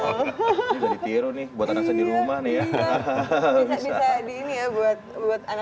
lebih hai bisa ini enggak nas nonetheless